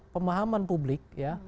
pemahaman publik ya